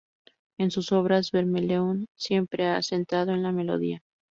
En sus obras Vermeulen siempre ha centrado en la melodía.